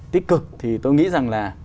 tích cực thì tôi nghĩ rằng là